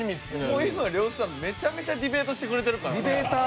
もう今呂布さんめちゃめちゃディベートしてくれてるからな。